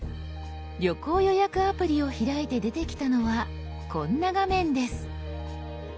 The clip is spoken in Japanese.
旅行予約アプリを開いて出てきたのはこんな画面です。